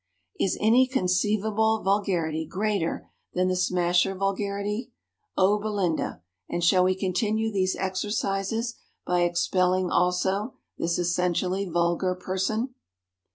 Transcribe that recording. "Is any conceivable vulgarity greater than the Smasher vulgarity, O Belinda; and shall we continue these exercises by expelling also this essentially vulgar person?"